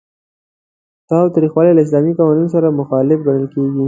تاوتریخوالی له اسلامي قوانینو سره مخالف ګڼل کیږي.